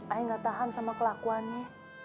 ayah gak tahan sama kelakuannya